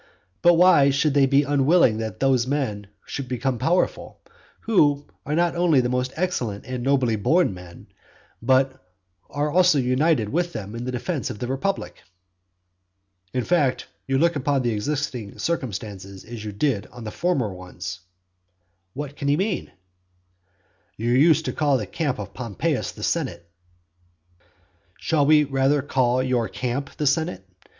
But why should they be unwilling that those men should become powerful, who are not only most excellent and nobly born men, but who are also united with them in the defence of the republic? "In fact, you look upon the existing circumstances as you did on the former ones." What can he mean? "You used to call the camp of Pompeius the senate." XII. Should we rather call your camp the senate?